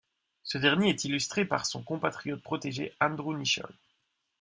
Ce dernier est illustré par son compatriote protégé Andrew Nicholl.